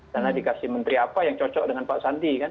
karena dikasih menteri apa yang cocok dengan pak sandi kan